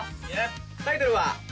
タイトルは。